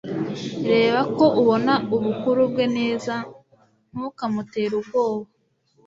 Reba ko ubona ubukuru bwe neza Ntukamutere ubwoba